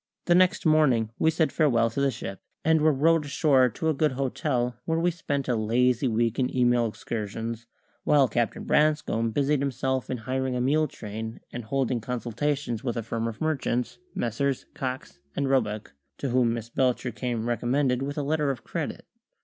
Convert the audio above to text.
The next morning we said farewell to the ship, and were rowed ashore to a good hotel, where we spent a lazy week in email excursions, while Captain Branscome busied himself in hiring a mule train and holding consultations with a firm of merchants, Messrs. Cox and Roebuck, to whom Miss Belcher came recommended with a letter of credit.